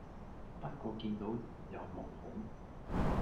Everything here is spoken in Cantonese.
不過見到有毛孔